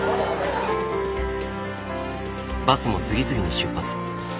バスも次々に出発。